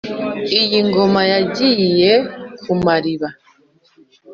iyi ngoma ya ngiye-ku-mariba